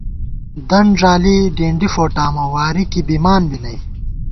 دَن ݫالی ڈېنڈی فوٹامہ واری کی بِمان بی نئ